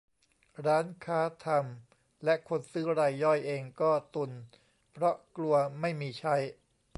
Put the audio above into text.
ร้านค้าทำ และคนซื้อรายย่อยเองก็ตุนเพราะกลัวไม่มีใช้